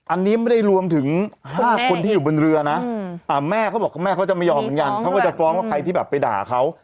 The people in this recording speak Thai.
อันนี้ไม่ได้รวมถึง๕คนที่อยู่บนเรือนะแม่เขาบอกแม่เขาจะไม่ยอมเหมือนกันเขาก็จะฟ้องว่าใครที่แบบไปด่าเขา